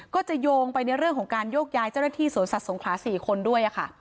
ก็จะโยงไปในเรื่องของการโยกย้ายเจ้าหน้าที่สวนสัตว์สงขลา๔คนด้วยค่ะ